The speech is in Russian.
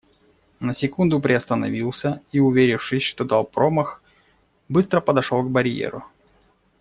На секунду приостановился и, уверившись, что дал промах, быстро подошел к барьеру.